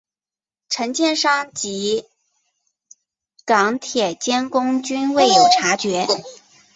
承建商及港铁监工均未有察觉。